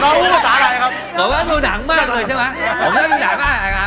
เราว่าตาอะไรครับบอกว่าดูหนังมากเลยใช่ไหมผมชอบดูหนังมากเลยครับ